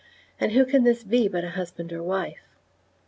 And who can be this but a husband or wife?